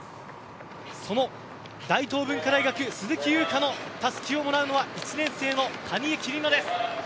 その大東文化大、鈴木優花のたすきをもらうのは１年生の蟹江きりのです。